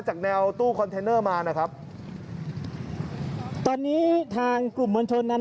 จากแนวตู้มานะครับตอนนี้ทางกลุ่มบรรชนนั้น